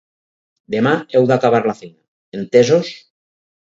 Demà heu d'acabar la feina, entesos?